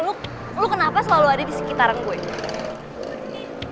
lu kenapa selalu ada di sekitaran gue